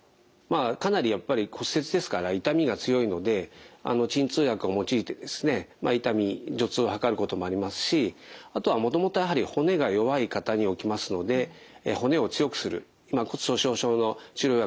かなりやっぱり骨折ですから痛みが強いので鎮痛薬を用いてですね痛み除痛を図ることもありますしあとはもともと骨が弱い方に起きますので骨を強くする今骨粗しょう症の治療薬でですね